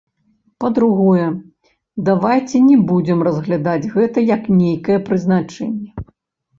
Па-другое, давайце не будзем разглядаць гэта як нейкае прызначэнне.